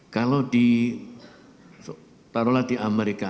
kalau di taruhlah di amerika